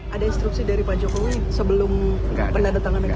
ada instruksi dari pak jokowi sebelum pernah datang ke kerja zaman ini